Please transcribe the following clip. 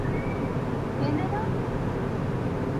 এলি, না!